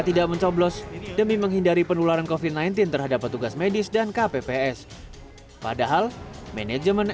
tidak mencoblos demi menghindari penularan kofi sembilan belas terhadap petugas medis dan kpps padahal manajemen